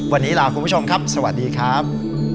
วันนี้ลาคุณผู้ชมครับสวัสดีครับ